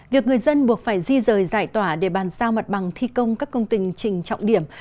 việc người dân buộc phải di rời giải tỏa để bàn sao mặt bằng thi công các công tình trình trọng điểm